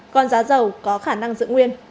còn giá dầu có khả năng dựa nguyên